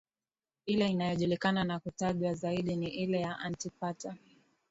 ile inayojulikana na kutajwa zaidi ni ile ya Antipater